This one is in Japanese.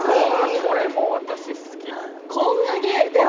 これも私、好き。